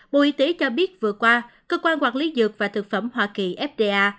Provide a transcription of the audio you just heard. bộ y tế cho biết vừa qua cơ quan quản lý dược và thực phẩm hoa kỳ fda